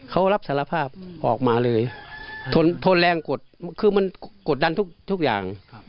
เขารับสารภาพออกมาเลยทนแรงกดคือมันกดดันทุกอย่าง